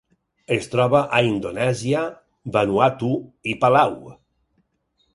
Es troba a Indonèsia, Vanuatu i Palau.